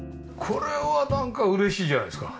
これはなんか嬉しいじゃないですか。